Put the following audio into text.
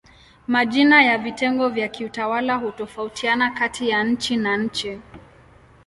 Majina ya vitengo vya kiutawala hutofautiana kati ya nchi na nchi.